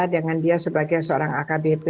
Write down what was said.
dengan dia sebagai seorang akbp